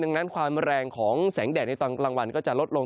ดังนั้นความแรงของแสงแดดในตอนกลางวันก็จะลดลง